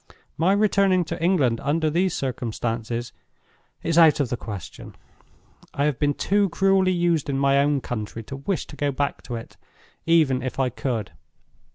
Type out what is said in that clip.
My returning to England under these circumstances is out of the question. I have been too cruelly used in my own country to wish to go back to it, even if I could.